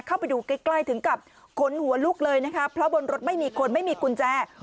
เข้าไปดูใกล้ใกล้ถึงกับขนหัวลุกเลยนะคะเพราะบนรถไม่มีคนไม่มีกุญแจ